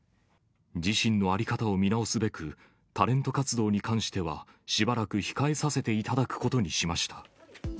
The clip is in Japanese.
自身の在り方を見直すべく、タレント活動に関しては、しばらく控えさせていただくことにしました。